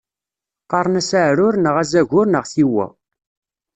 Qqaren-as aɛrur neɣ azagur neɣ tiwwa.